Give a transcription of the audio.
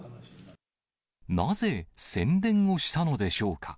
なぜ、宣伝をしたのでしょうか。